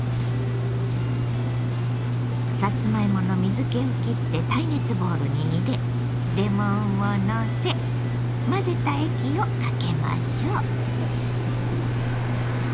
さつまいもの水けをきって耐熱ボウルに入れレモンをのせ混ぜた液をかけましょう。